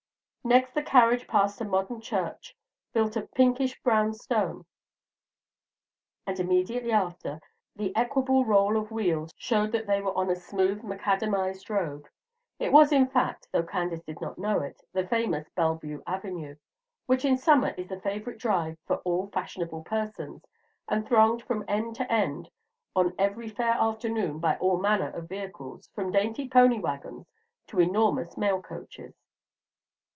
Next the carriage passed a modern church built of pinkish brown stone; and immediately after, the equable roll of the wheels showed that they were on a smooth macadamized road. It was, in fact, though Candace did not know it, the famous Bellevue Avenue, which in summer is the favorite drive for all fashionable persons, and thronged from end to end on every fair afternoon by all manner of vehicles, from dainty pony wagons to enormous mail coaches.